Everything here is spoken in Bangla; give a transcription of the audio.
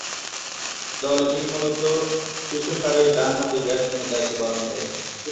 দলে তিনি মূলতঃ শীর্ষসারির ডানহাতি ব্যাটসম্যানের দায়িত্ব পালন করেন।